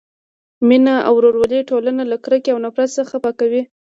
مینه او ورورولي ټولنه له کرکې او نفرت څخه پاکوي.